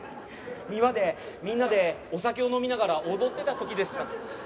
庭でみんなでお酒を飲みながら踊ってた時でした。